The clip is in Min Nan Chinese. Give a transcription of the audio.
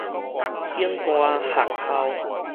警官學校